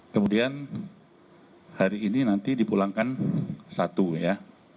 kemudian hari ini nanti dipulangkan satu ya